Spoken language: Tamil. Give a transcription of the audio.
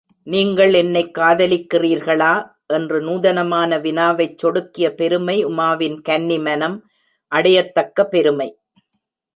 நீங்கள் என்னைக் காதலிக்கிறீர்களா? என்று நூதனமான வினாவைச் சொடுக்கிய பெருமை உமாவின் கன்னி மனம் அடையத்தக்க பெருமை.